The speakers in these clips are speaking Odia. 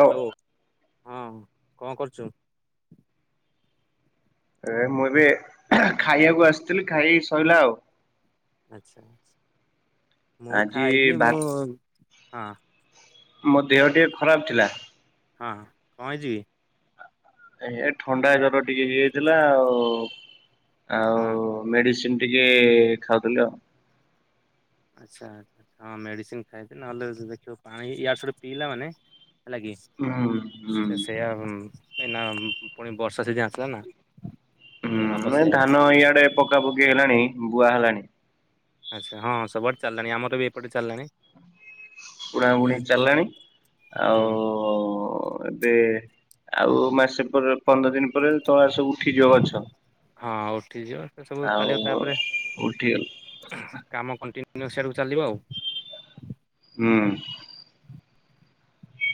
ହ୍ୟାଲୋ, ହଁ କଣ କରୁଛୁ? ଏ ମୁଁ ଏବେ ଖାଇବାକୁ ଆସିଥିଲି। ଖାଇ ସଇଲା ଆଉ। ଆଚ୍ଛା ଆଚ୍ଛା। ମୁଁ ଆଜି ଖାଇନି ଭା ମୁଁ, ହଁ। ମୋ ଦେହ ଟିକେ ଖରାପ ଥିଲା। ହଁ, କଣ ହେଇଚି କି? ଅଜ୍ଞା, ଏ ଥଣ୍ଡା ଏରା ପାଟି ଟିକେ ଇଏ ହେଇଯାଇଥିଲା ଆଉ। ଆଉ ହଁ ମେଡିସିନ ଟିକେ ଖାଉଥିଲି ଆଉ। ଆଚ୍ଛା ହଁ, ମେଡିସିନ ଖାଇଲେ, ନହେଲେ ଦେଖିବ ପାଣି ଇଆଡୁ ସିଆଡୁ ପିଇଲା ମାନେ ହେଲା କି? ହୁଁ ହୁଁ। ସେ ସେଇଆ ହୁଁ ଏଇନା ପୁଣି ବର୍ଷା ସିଜିନ୍ ଆସିଲା ନା। ହୁଁ, ସେ ହବ ୟେ ସେଇଆ ଧାନ ଇଆଡେ ପକା ପକି ହେଲାଣି, ବୁହା ହେଲାଣି। ଆଚ୍ଛା ହଁ, ସବୁଆଡେ ଚାଲିଲାଣି, ଆମର ବି ଏପଟେ ଚାଲିଲାଣି। ବୁଣାବୁଣି ଚାଲିଲାଣି। ହୁଁ। ଆଉ ଏବେ ଆଉ ମାସେ ପରେ, ପନ୍ଦର ଦିନ ପରେ ତଳା ସବୁ ଉଠିଯିବ ଗଛ। ହଁ ଉଠିଯିବ, ସେ ସବୁ ଆଉ ଚାଲିବ ତାପରେ ଉଠିଗଲା କାମ କଣ୍ଟିନ୍ୟୁସଆଡ଼କୁ ଚାଲିବ ଆଉ। ହୁଁ।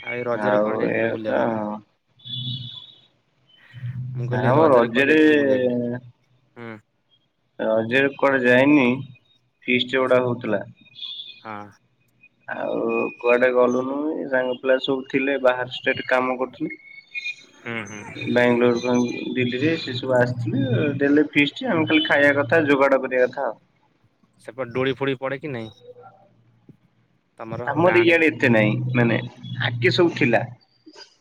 ଆଉ ଏଇ ରଜରେ କୁଆଡେ ଯାଇଥିଲ ଏଇଆ କଥା ବୁଲିବାକୁ? ଆଉ। ମୁଁ ନା କହିଲି ମ ରଜରେ କୁଆଡେ ଯାଇଥିଲୁ ବୁଲିବାକୁ? ହୁଁ। ରଜରେ କୁଆଡେ ଯାଇନି। ଫିଷ୍ଟି ଆଚ୍ଛା ଗୁଡା ହଉଥିଲା। ହଁ। ଆଉ, କୁଆଡ଼େ ଗଲୁନି। ସାଙ୍ଗ ପିଲା ସବୁ ଥିଲେ, ବାହାର ଷ୍ଟେଟ୍ କାମ କରୁଥିଲେ। ହୁଁ, ହୁଁ। ବାଙ୍ଗଲୋର, ଦିଲ୍ଲୀରେ ସେ ସବୁ ଆସିଥିଲେ, ଦେଲେ ଫିସ୍ଟି। ଆମେ ଖାଲି ଖାଇଆ କଥା, ଯୋଗାଡ଼ କରିଆ କଥା ଆଉ। ସେପଟ୍ ଡୋଳି ଫୋଳି ପଡ଼େ କି ନାଇଁ? ତମର ଗାଁ ଆମର ଆଡେ? ଇଆଡ଼େ ଏତେ ନାଇଁ, ନାଁ ନାଇ ଆଗେ ସବୁ ଥିଲା।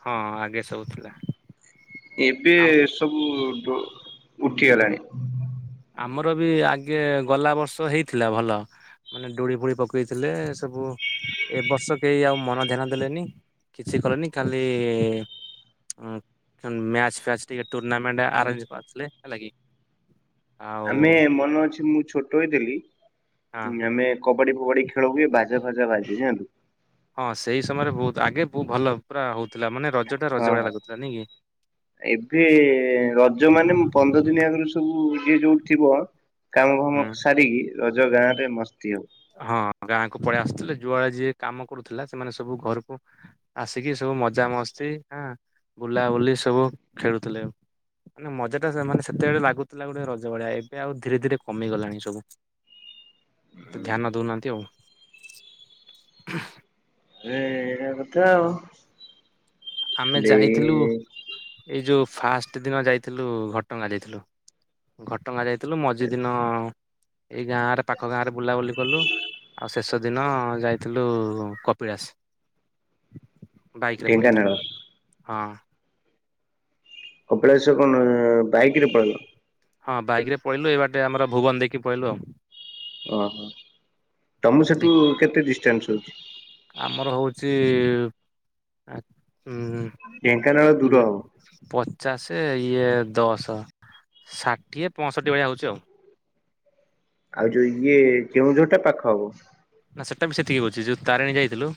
ହଁ, ଆଗେ ସବୁ ଥିଲା। ଏବେ ଆମ ସବୁ ଦୋ ଉଠିଗଲାଣି। ଆମର ବି ଆଗେ ଗଲା ବର୍ଷ ହେଇଥିଲା ଭଲ। ମାନେ ଡୋଳି ଫୋଳି ପକେଇଥିଲେ ସବୁ ଏ ବର୍ଷ କେହି ଆଉ ମନ ଧ୍ୟାନ ଦେଲେନି, କିଛି କଲେନି ଖାଲି ହୁଁ, ମ୍ୟାଚ୍ ଫ୍ୟାଚ୍ ଟିକେ ଟୁର୍ଣ୍ଣାମେଣ୍ଟ ଆରେଞ୍ଜ କରିଥିଲେ, ହେଲା କି। ଆଉ ଆମେ ମନ ଅଛି, ମୁଁ ଛୋଟ ହୋଇ ଥିଲି। ହଁ ଆମେ କବାଡ଼ିିି ଫୋବାଡ଼ିି ଖେଳ ହୁଏ, ବାଜା ଫାଜା ବାଜେ, ଜାଣିଲୁ। ହଁ, ସେଇ ସମୟରେ ବହୁତ୍ ଆଗେ ବୋ ଭଲ ପୁରା ହଉଥିଲା, ମାନେ ରଜଟା ହଁ ରଜ ହଁ। ଭଳିଆ ଲାଗୁଥିଲା। ନାଇଁ କି? ଏବେ, ରଜ ମାନେ ପନ୍ଦର ଦିନି ଆଗୁରୁ ସବୁ ଯିଏ ଯୋଉଠି ଥିବ କାମ ଫାମ ହୁଁ ସାରିକି, ରଜ ଗାଁରେ ମସ୍ତି ହବ। ହଁ, ଗାଁ କୁ ପଳେଇ ଆସୁଥିଲେ, ଯୁଆଡ଼େ ଯିଏ କାମ କରୁଥିଲା, ସେମାନେ ସବୁ ଘରକୁ ଆସିକି ସବୁ ମଜା ମସ୍ତି, ହଁ ବୁଲା ବୁଲି ସବୁ ଖେଳୁଥିଲେ। ମାନେ, ମଜାଟା ମାନେ ସେତେବେଳେ ଲାଗୁଥିଲା ଗୋଟେ ରଜ ଭଳିଆ, ଏବେ ଆଉ ଧୀରେ ଧୀରେ କମି ଗଲାଣି ସବୁ। ଏତେ ଧ୍ୟାନ ଦଉ ନାହାଁନ୍ତି ଆଉ। ହେ, ଏଇରମ କଥା ଆଉ। ଆମେ ଦେଇ ଯାଇଥିଲୁ ଏଇ ଯୋଉ ଫାଷ୍ଟ୍ ଦିନ ଯାଇଥିଲୁ, ଘଟ ଗାଁ ଯାଇଥିଲୁ। ଘଟ ଗାଁ ଯାଇ ଥିଲୁ। ମଝି ଦିନ, ଏଇ ଗାଁରେ ପାଖ ଗାଁରେ ବୁଲାବୁଲି କଲୁ। ଆଉ ଶେଷ ଦିନ ଯାଇଥିଲୁ କପିଳାସ। ବାଇକରେ ପଳେଇଥିଲୁ। ଢେଙ୍କାନାଳ ହଁ। କପିଳାସ କଣ ବାଇକରେ ପଳେଇଲ? ହଁ ବାଇକ୍ ରେ ପଳେଇଲୁ ଏଇ ବାଟେ ଆମର ଭୁବନ ଦେଇକି ପଳେଇଲୁ ଆଉ। ଓହୋ ତମ ସେଠୁ ଦେଖ କେତେ ଡିଷ୍ଟାନ୍ସ ହଉଛି। ଆମର ହଉଚି ଉଁ ଢ଼େଙ୍କାନାଳ ଦୂର ହବ। ପଚାଶେ ଇଏ ଦଶ ଷାଠିଏ ପଂଶଠିି ଭଳିଆ ହଉଛି ଆଉ। ଆଉ ଯୋଉ ଇଏ କେଉଁଝର୍ ଟା ପାଖ ହବ। ନା ସେଇଟା ବି ସେତିକି ହଉଛି ଯୋଉ ତାରିଣୀ ଯାଇଥିଲୁ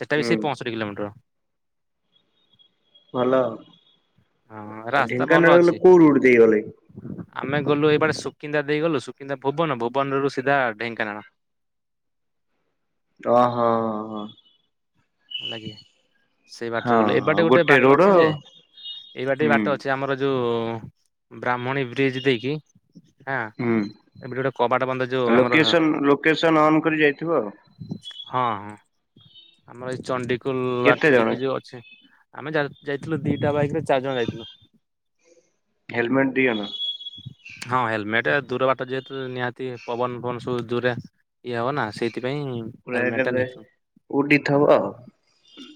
ସେଇଟା ବି ହୁଁ ସେଇ ପଂଶଠିି କିଲୋମିଟର। ଭଲ ହଁ ଆଉ ରାସ୍ତା ଭଲ ଢ଼େଙ୍କାନାଳ ଅଛି। ଗଲେ କୋଉ ରୁଟ୍ ଦେଇଗଲେ? ଆମେ ଗଲୁ ଏଇ ବାଟେ ସୁକିନ୍ଦା ଦେଇ ଗଲୁ ସୁକିନ୍ଦା ଭୁବନ ଭୁବନ ରୁ ସିଧା ଢେଙ୍କାନାଳ। ତ ହଁ-ହଁ-ହଁ। ଆଜ୍ଞା ସେଇ ହଁ ବାଟରେ ଗଲୁ ଏ ହଁ ବାଟେ ଗୋଟେ ବାଟ ରୋଡ ଅଛି ଆଉ ଯେ ଏଇ ବାଟେ ହୁଁ ବାଟ ଅଛି ଆମର ଯୋଉ ବ୍ରାହ୍ମଣୀ ବ୍ରିଜ୍ ଦେଇକି ହଁ ହୁଁ। ଏବେ ଗୋଟେ କବାଟ ବନ୍ଦ ଯୋଉ ଆମର ଲୋକେସନ୍ ଲୋକେସନ୍ ଅନ୍ କରି ଯାଇଥିବ ଆଉ। ହଁ-ହଁ ଆମର୍ ଏଇ ଚଣ୍ଡିଖୋଲ୍ କେତେ ବାଟ ଜଣ ଦେଇକି ଯୋଉ ଅଛି। ଆମେ ଯାଇ ଯାଇଥିଲୁ ଦିଟା ବାଇକ ରେ ଚାର୍ ଜଣ ଯାଇଥିଲୁ। ହେଲମେଟ୍ ଦିଅନ। ହଁ ହେଲମେଟ୍ ଦୂର ବାଟ ଯେହେତୁ ନିହାତି ପବନ ଫବନ୍ ସବୁ ଦୂରା ଇଏ ହବ ନା ସେଇଥିପାଇଁ ପୂରା ଟା ଏକାଥରେ ନେଇଛି ଉଡିଥବ ଆଉ।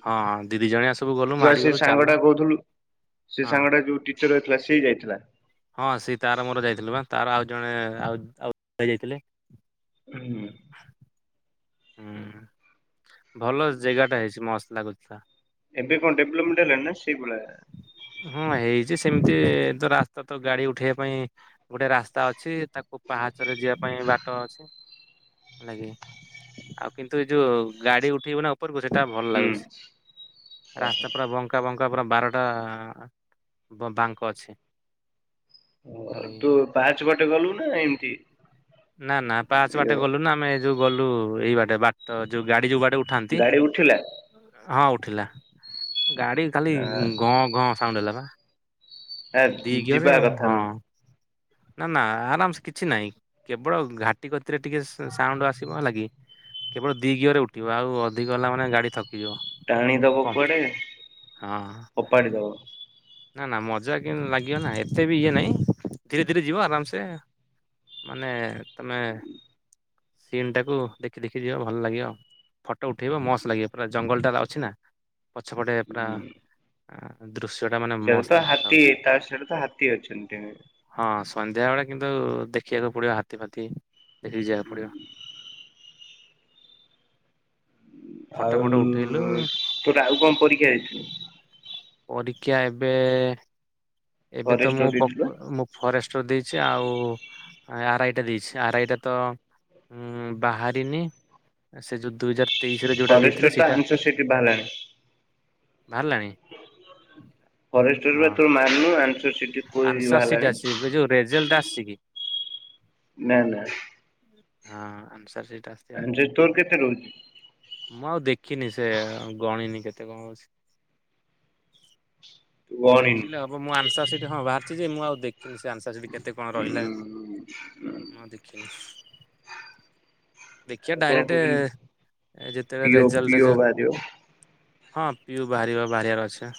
ହଁ ଦିଦି ଜଣିଆ ସବୁ ଗଲୁ ମାଡ଼ି ସେ ଗଲୁ ସାଙ୍ଗ ଟା ଚାଲ। କହୁଥିଲୁ ସେ ସାଙ୍ଗଟା ଯୋଉ ଟିଚର୍ ରହିଥିଲା ସେ ଯାଇଥିଲା। ହଁ ସେ ତାର ମୋର ଯାଇଥିଲୁ ବା ତାର ଆଉ ଜଣେ ଆଉ ଆଉ ଜଣେ ଭାଇ ଯାଇଥିଲେ। ହୁଁ। ହୁଁ ଭଲ ଜେଗାଟା ହେଇଛି ମସ୍ତ ଲାଗୁଥିଲା। ଏବେ କଣ ଡେଭଲମେଣ୍ଟ ହେଲାଣି ନା ସେଇଭଳିଆ। ହଁ ହେଇଚି ସେମିତି ତ ରାସ୍ତା ତ ଗାଡି ଉଠେଇବା ପାଇଁ ଗୋଟେ ରାସ୍ତା ଅଛି ତାକୁ ପାହାଚରେ ଯିବା ପାଇଁ ବାଟ ଅଛି। ଲାଗେ ଆଉ କିନ୍ତୁ ଏ ଯୋଉ ଗାଡି ଉଠେଇବୁ ନା ଉପରକୁ ସେଇଟା ଭଲ ହୁଁ। ଲାଗୁଛି ରାସ୍ତା ପୁରା ବଙ୍କା ବଙ୍କା ପୁରା ବାର ତ ବାଙ୍କ ଅଛି ଓ ହେଲାଗି। ତୁ ପାହାଚ ବାଟେ ଗଲୁ ନା ଏମିତି। ନା ନା ପାହାଚ ବାଟେ ଗଲୁ ନୁ ଆମେ ଯୋଉ ଗଲୁ ଏଇ ବାଟେ ବାଟ ଯୋଉ ଗାଡି ଯୋଉ ବାଟେ ଉ ଠାନ୍ତି ଗାଡି ଉଠିଲା ହଁ ଉଠିଲା ଗାଡି ଖାଲି ଆ ଗଁ ଗଁ ସାଉଣ୍ଡ ହେଲା ବା ଦି ଯିବା ଗିଅରେ କଥା ହଁ। ନୁହଁ ନା ନା ଆରାମ ସେ କିଛି ନାହିଁ କେବଳ ଘାଟି ଗତିରେ ଟିକେ ସାଉଣ୍ଡ ଆସିବ ହେଲା କି। କେବଳ ଦି ଗିଅ ରେ ଉଠିବ ଆଉ ଅଧିକ ହେଲା ମାନେ ଗାଡି ଥକି ଯିବ। ଟାଣି ଦବ କୁଆଡେ ଫୋପାଡି ଦବ। ନା ନା ମଜା କେମିତି ଲାଗିବନା ଏତେ ବି ଇଏ ନାହିଁ। ଧୀରେ ଧୀରେ ଯିବ ଆରାମସେ ମାନେ ତମେ ସିନ୍ ଟାକୁ ଦେଖି ଦେଖି ଯିବ ଭଲ ଲାଗିବ। ଫଟୋ ଉଠେଇବ ମସ୍ତ ଲାଗିବ ପୁରା ଜଙ୍ଗଲଟା ଅଛି ନା। ପଛପଟେ ପୁରା ହୁଁ ଦୃଶ୍ୟ ଟା ମାନେ ସେଟା ତ ମସ୍ତ ହାତୀ ଦେଖାଯାଉଛି। ତା ସିଆଡୁ ତ ଫ୍ରି ଅଛନ୍ତି ଏବେ? ହଁ ସନ୍ଧ୍ୟା ବେଳେ କିନ୍ତୁ ଦେଖିଆକୁ ପଡିବ ହାତୀ ଫାତି ଦେଖିକି ଯିବାକୁ ହୁଁ ପଡିବ। ଫଟୋ ଆଉ ଫଟ ଉଠେଇଲୁ ତୋର ଆଉ କଣ ପରୀକ୍ଷା ଦେଇଥିଲୁ? ପରୀକ୍ଷା ଏବେ ଏବେ ତ ଫରେଷ୍ଟର ମୁଁ ଦେଇଥିଲୁ ବା ପକ୍ ଓ ମୁଁ ଫରେଷ୍ଟର ଦେଇଛି ଆଉ ଆର ଆଇ ଟା ଦେଇଛି, ଆର ଆଇ ଟା ତ ଉଁ ବାହାରିନି ସେ ଯୋଉ ଦୁଇ ହଜାର ତେଇଶିରେ ଯୋଉଟା ଫରେଷ୍ଟର ଦେଇଥିଲେ, ତ ସେଇଟା ଆନ୍ସର ସିଟ୍ ବାହାରିଲାଣି। ବାହାରିଲାଣି? ଫରେଷ୍ଟର ହଁ [unintelligible] ତୋର ମାନୁ ଆନସୁ ସି [unintelligible] ଆନ୍ସର ସିଟ୍ ଆସିଛି, ଏବେ ଯୋଉ ରେଜଲ୍ଟ ଆସିଚି କି? ନା, ନା। ହଁ ଆନ୍ସର ସିଟ୍ ଆ ଆନ୍ସର ତୋର କେତେ ରହୁଚି? ମୁଁ ଆଉ ଦେଖିନି ସେ ଗଣିନି କେତେ କଣ ଅଉଚି? ତୁ ଗଣିନୁ ଦେଖିଲେ ହବ ମୁଁ ଆନ୍ସର ସିଟ୍ ଯେ ହଁ ବାହାରିଚି ଯେ, ମୁଁ ଆଉ ଦେଖିନି ସେ ଆନ୍ସର ସେଠି କେତେ କଣ ରହିଲା? ଉଁ ମୁଁ ଆଉ ଦେଖିନି। ଦେଖିବା ଆଉ କଣ ଡାଇରେକ୍ଟ କହୁଛନ୍ତି ଯେତେବେଳେ ପିଓ ରେଜଲଟ୍ ପିଓ ଯୋଉ ବାହାରିବ ହଁ ପିଉ ବାହାରିବ ବାହାରିବାର ଅଛି।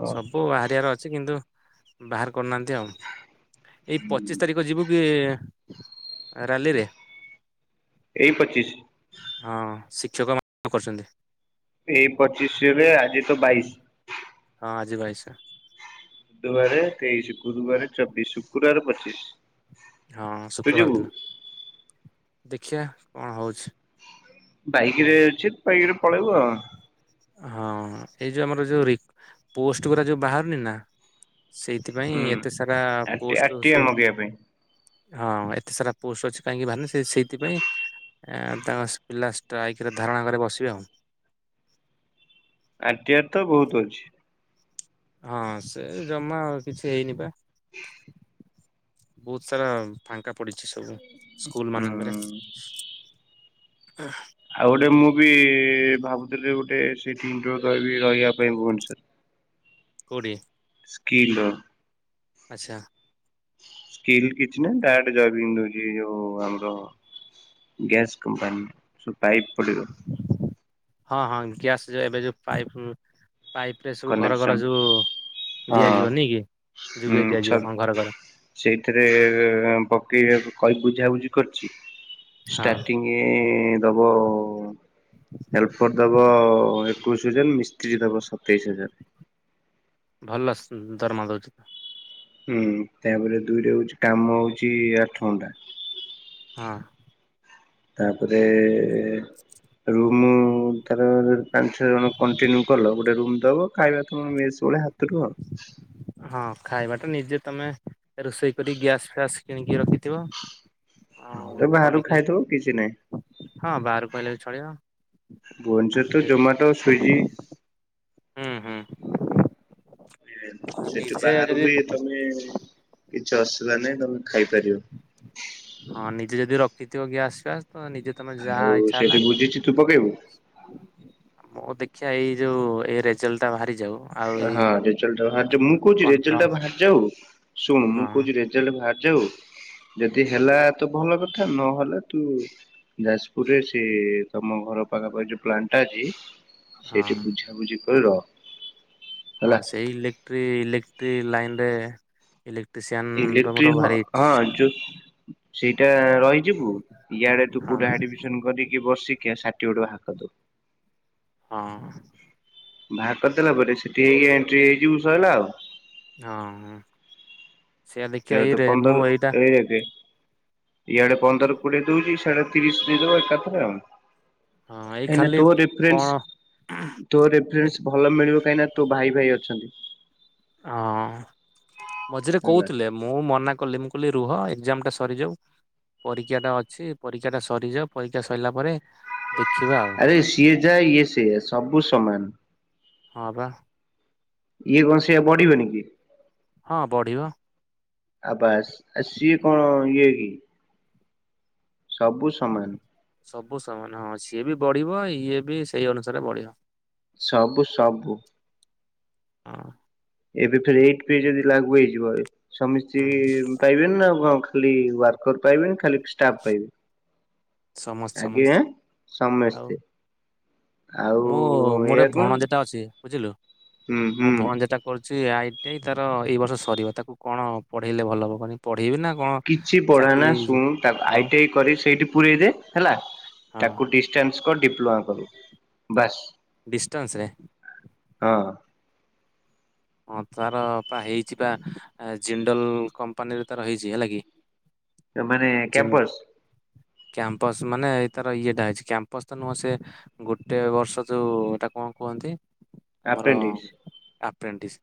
ହଁ ସବୁ ବାହାରିବାର ଅଛି କିନ୍ତୁ ବାହାର କରୁନାହାନ୍ତି ଆଉ, ଏଇ ପଚିଶ ତାରିଖ ଯିବୁ କି ଆ ରାଲିିରେ। ଏଇ ପଚିଶ? ହଁ ଶିକ୍ଷକ ମାନେ କରୁଚନ୍ତି। ଏଇ ପଚିଶରେ ଆଜି ତ ବାଇଶି। ହଁ ଆଜିି ବାଇସି। ବୁଧବାରେ ତେଇଶି, ଗୁରୁବାରେ ଚୋବିଶ, ଶୁକ୍ରବାରେ ପଚିଶ। ହଁ ତୁ ଶୁକ୍ରବାର ଯିବୁ ଦିନ। ଦେଖିବା କଣ ହଉଛି? ବାଇକ ରେ ଅଛି ବାଇକ ରେ ପଳେଇବୁ ଆଉ [unintelligible] ହଁ ଏଇ ଯୋଉ ଆମର ଯୋଉ ରିପ୍ ପୋଷ୍ଟ ଗୁଡା ଯୋଉ ବାହାରୁନି ନା। ସେଇଥିପାଇଁ ହୁଁ ଏତେ ସାରା ଆରଟି ପୋଷ୍ଟ ଆରଟିଆ ସ ମଗେଇବା ପାଇଁ। ହଁ ଏତେ ସାରା ପୋଷ୍ଟ ଅଛି କାହିଁକି ଭାଆରୁନି ସେ ସେଇଥିପାଇଁ ଅଁ ତାଙ୍କ ସ ପିଲା ଷ୍ଟ୍ରାଇକ ରେ ଧାରଣା ଘରେ ବସିବେ ଆଉ। ଆଇଡ଼ିଆ ତ ବହୁତ ଅଛି। ହଁ ସେ ଜମା ଆଉ କିଛି ହେଇନି ବା। ବହୁତ ସାରା ଫାଙ୍କା ପଡିଛି ସବୁ। ସ୍କୁଲ ହୁଁ ମାନଙ୍କରେ। ଆଉ ଗୋଟେ ମୁଁ ବି ଭାବୁଥିଲି ଗୋଟେ [unintelligible] କହିବି ରହିବା ପାଇଁ ଭୁବନେଶ୍ୱର। କଉଠି? ସ୍କିଲ ର। ଆଚ୍ଛା। ସ୍କିଲ୍ କିଛି ନାହିଁ [unintelligible] ଜଗି ରହିଛି ଯୋଉ ଆମର ଗ୍ୟାସ୍ କମ୍ପାନୀ ସବୁ ପାଇପ୍ ପଡିବ। ହଁ ହଁ। ଗ୍ୟାସ ଯୋଉ ଏବେ ଯୋଉ ପାଇପ ହୁଁ। ପାଇପ ରେ ସବୁ ଘର ଘର କନେକ୍ସନ ଯୋଉ ହଁ ଦିଆଯିବନି କି? ହୁଁ ଯୋଗେଇ ଛ ଦିଆଯିବ ହଁ ଘର ଘର। ସେଇଥିରେ ପକେଇ କହି ବୁଝାବୁଝି କରିଛି ହଁ ଷ୍ଟାର୍ଟିଂ ଇଏ ଦବ। ହେଲପର ଦବ ଏକୋଇଶ ହଜାର, ମିସ୍ତ୍ରୀ ଦବ ସତେଇଶ ହଜାର। ଭଲ ସ ଉଁ ଦରମା ଦଉଛ। ହୁଁ ତାପରେ ଦୁଇରେ ହଉଛି କାମ ହଉଛି ଆଠ ଘଣ୍ଟା। ହଁ। ତାପରେ ରୁମ ତାର ପାଞ୍ଚ ଛଅ ଜଣ କଣ୍ଟିନ୍ୟୁ କଲ ଗୋଟେ ରୁମ ଦବ ଖାଇବାକୁ ମେସ୍ ଭଳିଆ ହ। [unintelligible] ହଁ ଖାଇବାଟା ନିଜେ ତମେ ରୋଷେଇ କରି ଗ୍ୟାସ୍ ଫ୍ୟାସ କିଣିକି ରଖିଥିବ। ଆଉ ନହେଲେ ବାହାରୁ କରିକି ଖାଇଦବ କିଛି ନାହିଁ ହଁ ବାହାରୁ କହିଲେ ବି ଚଳିବ। ଭୁବନେଶ୍ବର ତ ଯଦି ଜୋମାଟୋ, ସ୍ଵିଗି। ହୁଁ ହୁଁ। ସେଠି ନିଜେ ବାହାରୁ ଯଦି ବି ତମେ କିଛି ଅସୁବିଧା ନାହିଁ ତମେ ଖାଇପାରିବ। ହଁ ନିଜେ ଯଦି ରଖିଥିବ ଗ୍ୟାସ ଫିଆସ୍ ତମେ ନିଜେ ତମେ ଯାହା ଆଉ ଇଚ୍ଛା ହେଲା ସେଇଠି ବୁଝିଛି ତୁ ପକେଇବୁ? ମୁଁ ଦେଖିବା ଏଇ ଯୋଉ ଏଇ ରେଜେଲ ଟା ବାହାରି ଯାଉ। ଆଉ ଏଇ ହଁ ରେଜଲ୍ଟ ଟା ବାହାରି ଯା ମୁଁ କହୁଛି ରେଜଲ୍ଟ କନଫର୍ମ ଟା ବାହାରିଯାଉ ଶୁଣ ହଁ ମୁଁ କହୁଛି ରେ ଜଲ୍ଟ ବାହାରି ଯାଉ ଯଦି ହେଲା ତ ଭଲ କଥା ନହେଲେ ତୁ ଯାଜପୁରରେ ସେ ତମ ଘର ପାଖାପଖି ଯୋଉ ପ୍ଲାନଟା ଅଛି। ହଁ ସେଇଠି ବୁଝାବୁଝି କରି ର। ହଁ ସେଇ ଇଲେକ୍ଟ୍ରି ଇଲେକ୍ଟ୍ରି ଲାଇନ ରେ ଇଲେକ୍ଟ୍ରିସିଆନ ର ଇଲେକ୍ଟ୍ରି ମୋର ହଁ ଭାରି ହଁ ଇଛା। ଯୋଉ ସେଇଟା ରହିଯିବୁ ଇଆଡେ ତୁ ହଁ କୁଉଟା ଆଡିମି ସନ କରିକି ବସିକି ସାଠିପିକେଟ ବାହାର କରିଦବୁ। ହଁ। ବାହାର କରିଦେଲା ପରେ ସେଠି ହେଇକି ଏଣ୍ଟ୍ରି ହେଇକି ଯିବୁ ସରିଲା ଆଉ। ହଁ ହୁଁ। କେବେ ତ ପନ୍ଦର ଏଇଟା ରହିଯା ଏଇଠି ଇଆଡେ ପନ୍ଦର କୋଡିଏ ଦଉଛି ସିଆଡେ ତିରିଶ ଦେଇଦବା ଏକାଥରେ ଆଉ। ହଁ ଏଇ କାହିଁକିନା ଖାଲି ତୋ କଣ ରିଫେରନ୍ସ ତୋ ଏ ରିଫେରନ୍ସ ଭଲ ମିଳିବ କାହିଁକି ନା ତୋ ଭାଇ ଭାଇ ଅଛନ୍ତି। ହଁ ମଝିରେ ହେଲା କହୁଥିଲେ। ମୁଁ ମନା କଲି ମୁଁ କହିଲି ରୁହ ଏଗଜାମ ଟା ସରିଯାଉ। ପରୀକ୍ଷା ଟା ଅଛି ପରୀକ୍ଷା ଟା ସରିଯାଉ ପରୀକ୍ଷା ସରିଲା ପରେ ଦେଖିବା ଆଉ। ଆରେ ସିଏ ଯାହା ଇଏ ସିଏ ସବୁ ସମାନ। ହଁ ବା ଇଏ କଣ ସେଆ ବଢ଼ିବନି କି? ହଁ ବଢ଼ିବ। ଆଉ ବାସ୍ ଆ ସିଏ କଣ ଇଏ କି? ସବୁ ସମାନ ସବୁ ସମାନ ହଁ ସିଏ ବି ବଢ଼ିବ। ଇଏ ବି ସେଇ ଅନୁସାରେ ବଢ଼ିବ। ସବୁ ସବୁ ହୁଁ। ଏବେ ଫେର ଏଇଥ ପେ ଯଦି ଲାଗୁ ହେଇଯିବ। ହୁଁ। ସମିସ୍ତିଙ୍କି ପେଇବେନି ନା ଙ୍କ ଖାଲି ୱାର୍କର ପାଇବେନି ଖାଲି ଷ୍ଟାଫ୍ ପାଇବେ। ସମସ୍ତେ ଆଜ୍ଞା ସମସ୍ତେ ଆଉ ସମସ୍ତେ। ଆଉ ମୁଁ ମୋର ଏଇଆ କଣ ଭଣଜାଟା ଅଛି। ବୁଝିଲୁ ହୁଁ ମୋ ହୁଁ ଭଣଜାଟା କରୁଛି ଆଇଟିଆଇ ତାର ଏଇ ବର୍ଷ ସରିବ। ତାକୁ କଣ ପଢ଼େଇଲେ ଭଲ ହବ କହନି? ପଢେଇବି ନା କଣ? କିଛି ପଢ଼ାନା ଚାକିରି ଶୁଣୁ ତା ଆଉ ଆଇଟିଆଇ କରିକି ସେଇଟି ପୂରେଇ ଦେ। ହେଲା ହଁ ତାକୁ ଡିଷ୍ଟାନ୍ସ କ ଡିପ୍ଲୋମା କରୁ ବାସ୍ ଡିଷ୍ଟାନ୍ସରେ ହଁ। ହଁ ତାର ପା ହେଇଛି ବା ଜିଣ୍ଡଲ କମ୍ପାନୀରେ ତାର ହେଇଛି ହେଲା କି। ମାନେ ଜିନ୍ କ୍ୟାମ୍ପସ କ୍ୟାମ୍ପସ ମାନେ ଏ ତାର ଇଏଟା ଅଛି। କ୍ୟାମ୍ପସ ତ ନୁହଁ ତ ସିଏ ଗୋଟେ ବର୍ଷ ଯୋଉ ଏଟା କଣ କୁହନ୍ତି? ଆପେଣ୍ଡିକ୍ସ ପ୍ରେଣ୍ଟିସ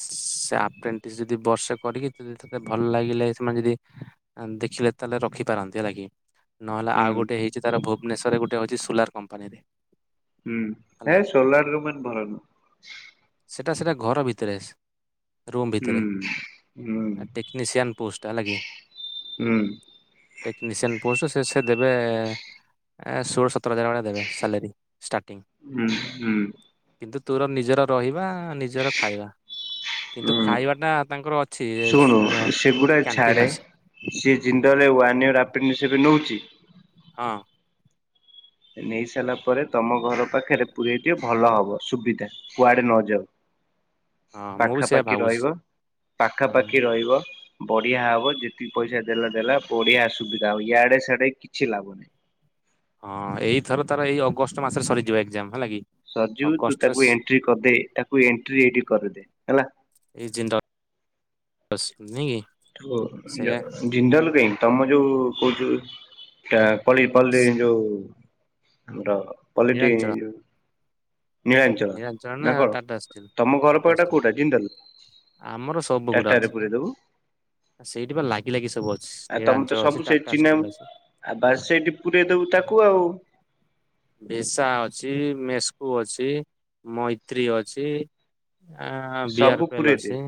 ସେ ଆପ୍ରେଣ୍ଟିସ୍ ଯଦି ବର୍ଷେ କରିକି ତତେ ଯଦି ତତେ ଭଲ ଲାଗିଲେ ସେମାନେ ଯଦି ଦେଖିଲେ ତାହେଲେ ରଖିପାରନ୍ତି ହେଲା କିି। ନହେଲେ ହୁଁ ଆଉ ଗୋଟେ ହେଇଛି ତାର ଭୁବନେଶ୍ୱରରେ ଗୋଟେ ହେଉଛି ସୋଲାର କମ୍ପାନୀରେ ହୁଁ ହେ ହେଲା। ସୋଲାର [unintelligible] ସେଇଟା ସେଇଟା ଘର ଭିତରେ ରୁମ୍ ଭିତରେ ହୁଁ ହୁଁ ଟେକ୍ନିସିଆନ୍ ପୋଷ୍ଟ୍ ହେଲା କି? ହୁଁ। ଟେକ୍ନିସିଆନ୍ ପୋଷ୍ଟ ସେ ସେ ଦେବେ ଷୋଳଶତ ସତର ହଜାର ଭଳିଆ ଦେବେ ସାଲେରୀ ଷ୍ଟାଟିଂ ହୁଁ ହୁଁ କିନ୍ତୁ ତୋର ନିଜର ରହିବା ନିଜର ଖାଇବା କିନ୍ତୁ ହୁଁ ଖାଇବା ଟା ତାଙ୍କର ଅଛି, ଶୁଣୁ ସେଗୁଡା ଛାଡେ କ୍ୟାଣ୍ଟିନ ଅଛି। ସିଏ ହୁଁ ଜିନ୍ଦଲରେ ୱାନ ୟିଅର ଅପ୍ରେଣ୍ଟିକସ୍ ରେ ନଉଚି। ହଁ। ନେଇ ସାରିଲା ପରେ ତମ ଘର ପାଖରେ ପୂରେଇ ଦିଅ। ଭଲ ହବ ସୁବିଧା କୁଆଡ଼େ ନ ଯାଉ। ହଁ ମୁଁ ବି ସେଇଆ ପାଖାପାଖି ଭାବୁଛି ରହିବ, ହଁ। ପାଖାପାଖି ରହିବ। ବଢ଼ିଆ ହବ ଯେତିକି ପଇସା ଦେଲା ଦେଲା ବଢ଼ିଆ ସୁବିଧା ହବ, ଇଆଡ଼େ ସିଆଡ଼େ ହେଇ କିଛି ଲାଭ ନାହିଁ। ହଁ ଏଇଥର ତାର ଏଇ ଅଗଷ୍ଟ ମାସରେ ସରିଯିବ ଏକ୍ଜାମ ହେଲାକି? ସର୍ଜୁ ତୁ ତାକୁ ଏଣ୍ଟ୍ରି କରିଦେ। ତାକୁ ଏଣ୍ଟ୍ରି ଏଇଠି କରିଦେ ହେଲା। ଏଇ [unintelligible] ତ ସେଇଆ ଜିନ୍ଦଲ ପାଇଁ ତମେ ଯୋଉ କହୁଛୁ ପଳୀ ପଲ୍ଲି ଯୋଉ ଡ ପଲିଟି ନିଳାଞ୍ଚଳ ଯୋଉ ନୀଳାଞ୍ଚଳ ନିଳାଞ୍ଚଳ ନା କଣ ଟାଟା ଷ୍ଟିଲ୍ ତମ ଘର ଟାଟା ପରଟା ଷ୍ଟିଲ୍ କୋଉଟା ଜିନ୍ଦଲ? ଆମର ସବୁ ଗୁଡ଼ା ଟାଟାରେ ଅଛିପା। ପୁରେଇ ଦବୁ ସେଇଠି ପା ଲାଗି ଲାଗି ସବୁ ଅ ଆଉ ତମେ ତ ସବୁ ସେ ଚିହ୍ନାଉ ଆଉ ବାସ୍ ସେଇଠି ପୁରେଇଦବୁ ତାକୁ। ଭେସା ଅଛି ମେସ୍କୁ ଅଛି ମୈତ୍ରୀ ଅଛି। ଆ ବିହାର ପେଲ୍ ଅଛି।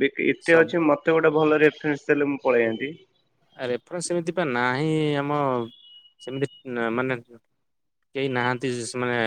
ବେ ଏତେ ସବୁ ଅଛି ମତେ ଗୋଟେଭଲ ରେଫରେନ୍ସ ଦେଲେ ପଳେଇଆନ୍ତି। ରେଫରେନ୍ସ ସେମିତି ବା ନାହିଁ ଆମ ସେମିତି ମାନେ କେହି ନାହାନ୍ତି ଶିଶୁମାନେ।